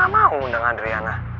kan mama ga mau undang adriana